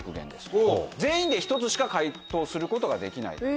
全員で１つしか解答することができない。